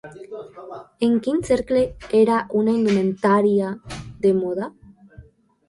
En quin cercle era una indumentària de moda?